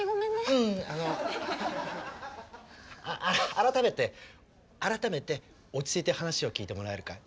ううんあの改めて改めて落ち着いて話を聞いてもらえるかい？